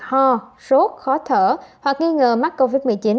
ho sốt khó thở hoặc nghi ngờ mắc covid một mươi chín